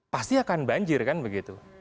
pasti akan banjir kan begitu